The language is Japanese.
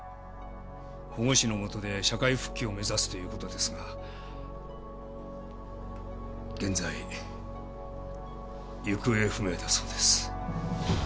保護司の元で社会復帰を目指すということですが現在行方不明だそうです。